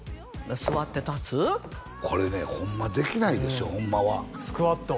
これねホンマできないですよホンマはスクワット？